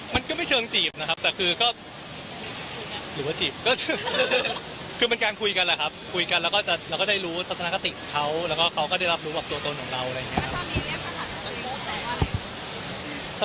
มันก็ไม่เชิงจีบนะครับแต่คือก็หรือว่าจีบก็คือเป็นการคุยกันแหละครับคุยกันแล้วก็เราก็ได้รู้ทัศนคติของเขาแล้วก็เขาก็ได้รับรู้แบบตัวตนของเราอะไรอย่างนี้ครับ